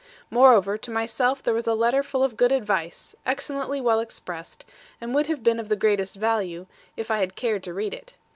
Moreover, to myself there was a letter full of good advice, excellently well expressed, and would have been of the greatest value, if I had cared to read it.